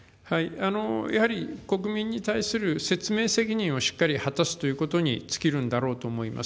やはり国民に対する説明責任をしっかり果たすということに尽きるんだろうと思います。